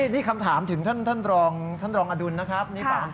นี่คำถามถึงท่านรองอดุลนะครับ